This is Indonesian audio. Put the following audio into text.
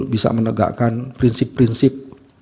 bisa menegakkan prinsip prinsip